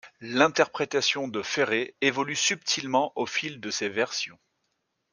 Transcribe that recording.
L'interprétation de Ferré évolue subtilement au fil de ces versions.